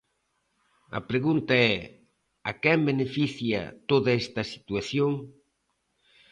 A pregunta é, ¿a quen beneficia toda esta situación?